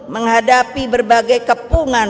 menghadapi berbagai kepungan